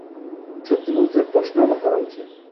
সত্যি বলতে, প্রশ্ন আমার করা উচিত।